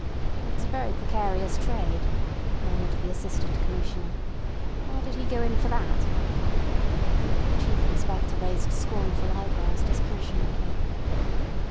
"That's a very precarious trade," murmured the Assistant Commissioner. "Why did he go in for that?" The Chief Inspector raised scornful eyebrows dispassionately.